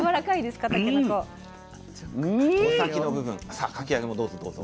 さあかき揚げもどうぞどうぞ。